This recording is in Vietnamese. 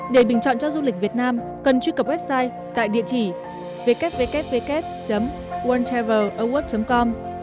để bình chọn cho du lịch việt nam cần truy cập website tại địa chỉ www award com